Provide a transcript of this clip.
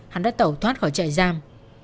hắn đã tàu thoát khỏi trại giam